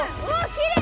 きれい！